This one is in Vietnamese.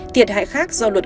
thiệt hại khác do luật